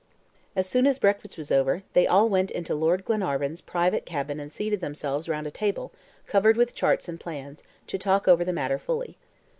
As soon as breakfast was over they all went into Lord Glenarvan's private cabin and seated themselves round a table covered with charts and plans, to talk over the matter fully.